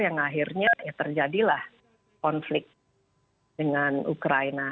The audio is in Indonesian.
yang akhirnya ya terjadilah konflik dengan ukraina